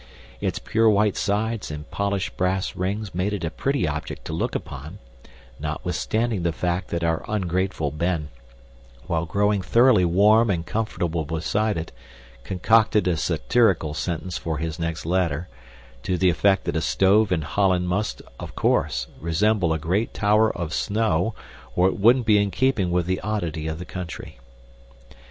Its pure white sides and polished brass rings made it a pretty object to look upon, notwithstanding the fact that our ungrateful Ben, while growing thoroughly warm and comfortable beside it, concocted a satirical sentence for his next letter, to the effect that a stove in Holland must, of course, resemble a great tower of snow or it wouldn't be in keeping with the oddity of the country.